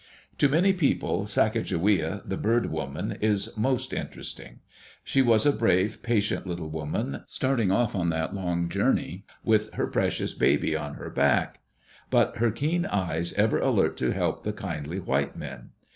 To many people, Sacajawea, the Bird Woman, is most interesting. She was a brave, patient little woman, start ing off on that long journey with her precious baby on her back, but her keen eyes ever alert to help the kindly white men.